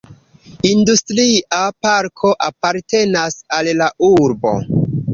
Industria parko apartenas al la urbo.